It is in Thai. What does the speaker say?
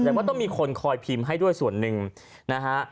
แต่ว่าต้องมีคนคอยพิมพ์ให้ด้วยส่วนหนึ่งนะฮะ